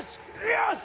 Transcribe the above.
よし！